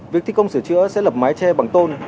việc thi công sửa chữa sẽ lập mái tre bằng tôn